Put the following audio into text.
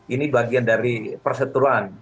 ini bagian dari persetuan